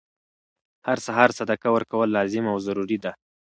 هر سهار صدقه ورکول لازم او ضروري ده،